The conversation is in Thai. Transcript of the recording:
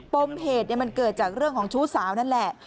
ปมเหตุมันเกิดจากเรื่องของชู้สาวนั่นแหละ